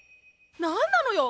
何なのよ？